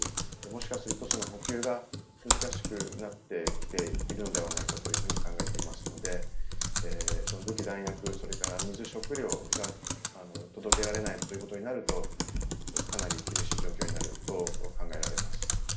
もしかすると補給が難しくなってきているのではないかと考えていますので武器、弾薬、水、食料が届けられないということになるとかなり厳しい状況になると考えられます。